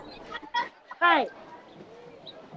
はい。